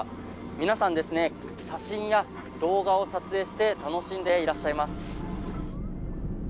皆さん、写真や動画を撮影して楽しんでいらっしゃいます。